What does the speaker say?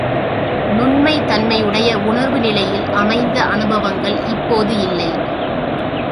நுண்மைத் தன்மையுடைய உணர்வு நிலையில் அமைந்த அனுபவங்கள் இப்போது இல்லை.